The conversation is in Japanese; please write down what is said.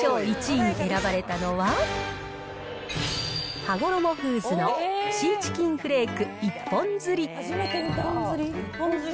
１位に選ばれたのは、はごろもフーズのシーチキンフレーク一本釣り。